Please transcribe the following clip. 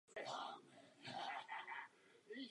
Obecně je však obtížné takového předka nalézt.